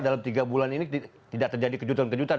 dalam tiga bulan ini tidak terjadi kejutan kejutan